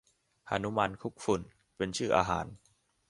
หนุมานคลุกฝุ่น เป็นชื่ออาหาร